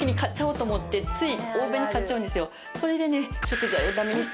それでね。